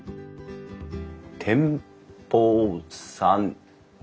「天保三」ん？